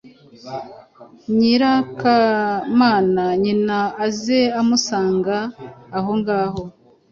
Nyirakamana: Nyina aze amusanga ahongaho